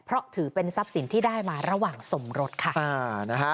เพราะถือเป็นทรัพย์สินที่ได้มาระหว่างสมรสค่ะ